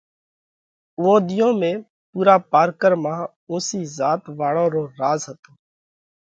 اُوئون ۮِيئون ۾ پُورا پارڪر مانه اُونسِي ذات واۯون رو راز هتو۔